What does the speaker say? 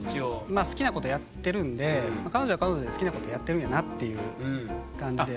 まあ好きなことやってるんで彼女は彼女で好きなことやってるんやなっていう感じで。